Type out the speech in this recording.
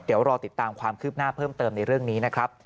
เดี๋ยวรอติดตามความคืบหน้าเพิ่มเติมในเรื่องนี้นะครับ